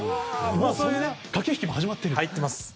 そういう駆け引きも始まっていると。